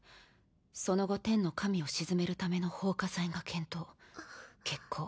「その後天の神を鎮めるための奉火祭が検討決行。